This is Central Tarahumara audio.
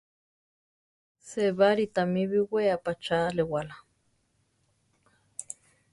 Sébari tami biʼwéa pachá alewála.